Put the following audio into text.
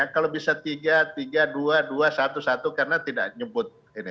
kalau bisa tiga tiga dua dua satu satu karena tidak nyebut ini